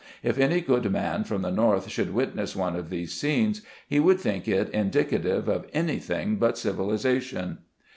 If any good man from the North should witness one of these scenes, he would think it indicative of anything but civilization.